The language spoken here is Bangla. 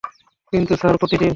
কিন্তু, স্যার, প্রতিদিন?